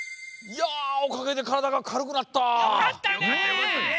いやおかげでからだがかるくなった。